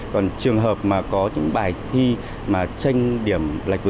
còn trường hợp mà có những bài thi mà tranh điểm